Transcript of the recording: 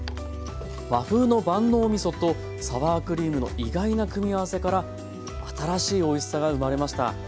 和風の万能みそとサワークリームの意外な組み合わせから新しいおいしさが生まれました。